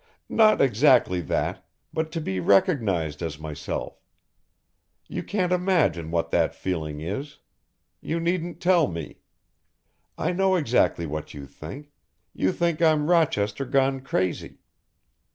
Not exactly that, but to be recognized as myself. You can't imagine what that feeling is. You needn't tell me. I know exactly what you think, you think I'm Rochester gone crazy.